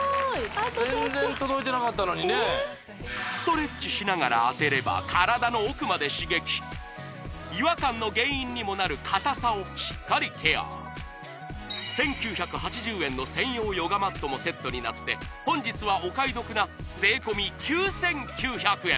あとちょっと全然届いてなかったのにねストレッチしながら当てれば体の奥まで刺激違和感の原因にもなる硬さをしっかりケア１９８０円の専用ヨガマットもセットになって本日はお買い得な税込９９００円